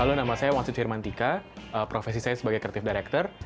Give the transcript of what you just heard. halo nama saya wansit firman tika profesi saya sebagai creative director